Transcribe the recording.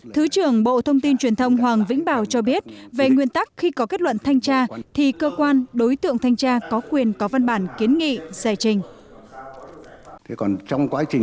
thứ trưởng bộ thông tin truyền thông hoàng vĩnh bảo cho biết về nguyên tắc khi có kết luận thanh tra thì cơ quan đối tượng thanh tra có quyền có văn bản kiến nghị giải trình